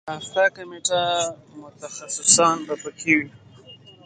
د افتا کمیټه متخصصان به په کې وي.